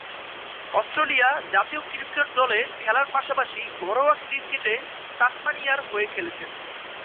Australia জাতীয় cricket দলে খেলার পাশাপাশি ঘরোয়া ক্রিকেটে তাসমানিয়ার হয়ে খেলছেন।